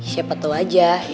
siapa tau aja